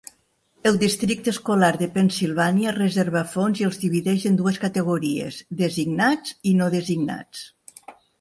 El districte escolar de Pennsilvània reserva fons i els divideix en dues categories: designats i no designats.